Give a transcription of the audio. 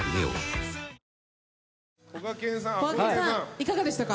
いかがでしたか？